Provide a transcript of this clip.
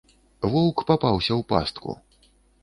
Воўк папаўся ў пастку.